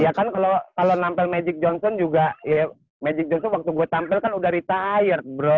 iya kan kalau kalau nampel magic johnson juga ya magic johnson waktu gue tampil kan udah retired bro